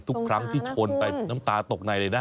ทุกครั้งที่ชนไปน้ำตาตกในเลยนะ